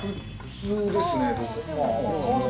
普通ですね。